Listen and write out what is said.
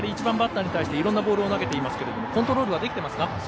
１番バッターに対していろんなボールを投げていますけれどもコントロールはできていますか？